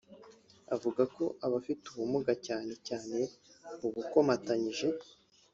Ivuga ko abafite ubumuga cyane cyane ubukomatanije